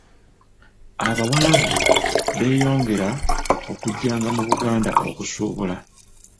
Abawarabu beeyongera okujjanga mu Buganda, okusuubula.